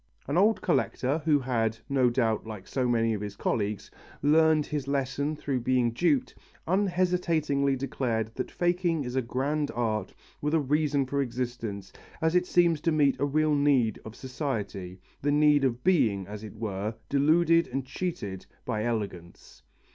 An old collector who had, no doubt like so many of his colleagues, learned his lesson through being duped, unhesitatingly declared that faking is a grand art with a reason for existence as it seems to meet a real need of society, the need of being, as it were, deluded and cheated by elegance.